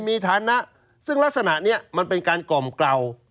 มีฐานะซึ่งลักษณะนี้มันเป็นการกล่อมกล่าว